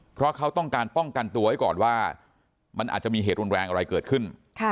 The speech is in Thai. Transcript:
เพราะเขาต้องการป้องกันตัวไว้ก่อนว่ามันอาจจะมีเหตุรุนแรงอะไรเกิดขึ้น